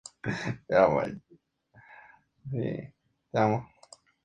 En la actualidad se tiene por falso.